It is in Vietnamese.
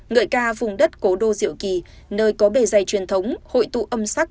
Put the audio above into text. ngợi ca vùng đất cố đô diệu kỳ nơi có bề dày truyền thống hội tụ âm sắc